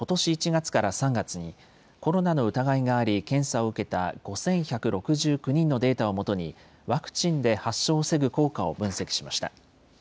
１月から３月に、コロナの疑いがあり、検査を受けた５１６９人のデータをもとに、ワクチンで発症を防ぐ効果を分析しました。